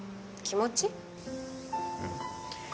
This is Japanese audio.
うん。